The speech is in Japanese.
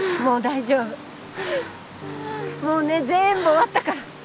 もうね全部終わったから。